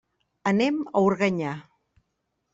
Anem a Organyà.